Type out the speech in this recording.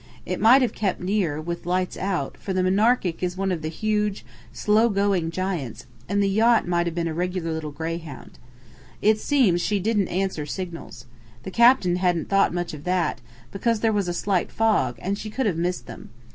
It might have kept near, with lights out, for the Monarchic is one of the huge, slow going giants, and the yacht might have been a regular little greyhound. It seems she didn't answer signals. The captain hadn't thought much of that, because there was a slight fog and she could have missed them.